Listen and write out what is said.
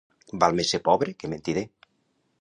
Val més ser pobre que mentider.